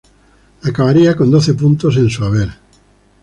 Acabaría con doce puntos en su haber.